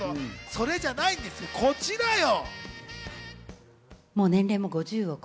それじゃないんです、こちらよ。